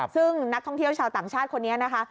ซึ่งนักท่องเที่ยวชาวต่างชาติคนนี้นะคะ